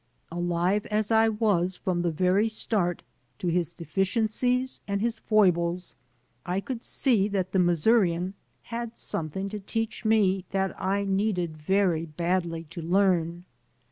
Alive as I was from 208 IN THE MOLD the very start to his deficiencies and his foibles, I could see that the Missourian had something to teach me that I needed very badly to learn.